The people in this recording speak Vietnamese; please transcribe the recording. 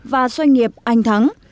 và doanh nghiệp anh thắng